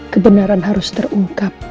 kebenaran harus terungkap